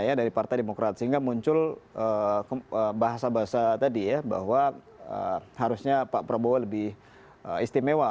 ya dari partai demokrat sehingga muncul bahasa bahasa tadi ya bahwa harusnya pak prabowo lebih istimewa